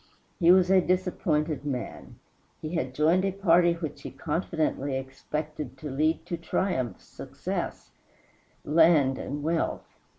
He was a disappointed man. He had joined a party which he confidently expected to lead to triumph, success, and wealth.